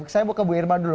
saya mau ke bu irma dulu